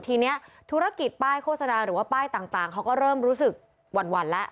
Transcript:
ทีนี้ธุรกิจป้ายโฆษณาหรือว่าป้ายต่างเขาก็เริ่มรู้สึกหวั่นแล้ว